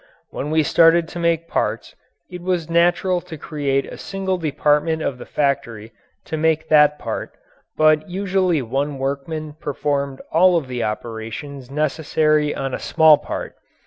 When we started to make parts it was natural to create a single department of the factory to make that part, but usually one workman performed all of the operations necessary on a small part.